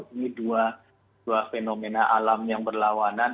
ini dua fenomena alam yang berlawanan